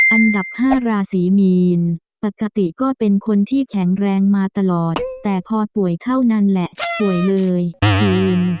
อันดับห้าราศีมีนปกติก็เป็นคนที่แข็งแรงมาตลอดแต่พอป่วยเท่านั้นแหละป่วยเลยอืม